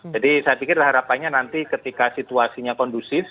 jadi saya pikir harapannya nanti ketika situasinya kondusif